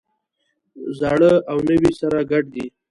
زاړه او نوي سره ګډ دي.